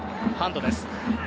ハンドです。